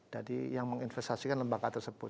jadi yang menginvestasikan lembaga tersebut